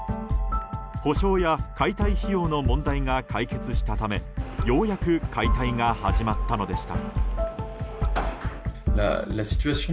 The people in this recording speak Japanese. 補償や解体費用の問題が解決したためようやく解体が始まったのでした。